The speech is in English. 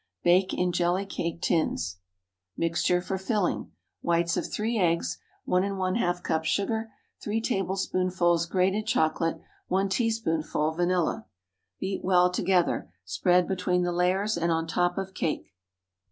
Bake in jelly cake tins. Mixture for filling. Whites of three eggs. 1½ cup sugar. 3 tablespoonfuls grated chocolate. 1 teaspoonful vanilla. Beat well together, spread between the layers and on top of cake.